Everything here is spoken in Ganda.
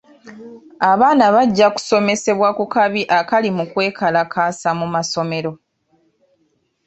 Abaana bajja kusomesebwa ku kabi akali mu kwekalakaasa mu masomero.